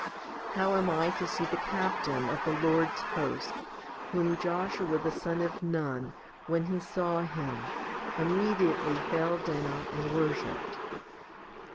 How am I to see the Captain of the Lord's host, whom Joshua the son of Nun, when he saw Him, immediately fell down and worshipped